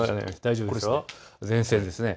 前線ですね。